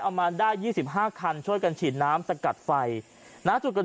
เอามาได้ยี่สิบห้าคันช่วยกันฉีดน้ำสกัดไฟณสุดกัน